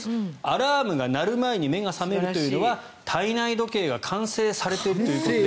アラームが鳴る前に目が覚めるというのは体内時計が完成されているということ。